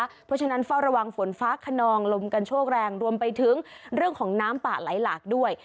เพราะฉะนั้นเฝ้าระวังฝนฟ้าขนองลมกันโชคแรงรวมไปถึงเรื่องของน้ำป่าไหลหลากด้วย